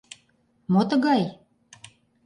Мо тыгай?..